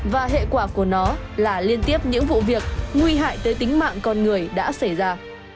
và hệ quả của nó là liên tiếp những vụ việc nguy hại tới tính mạng con người đã xảy ra